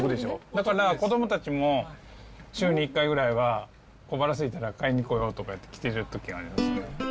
だから、子どもたちも週に１回ぐらいは、小腹すいたら買いに来ようと買ってきてるときありますね。